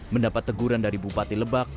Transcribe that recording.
mendapat teguran dari bupati lebak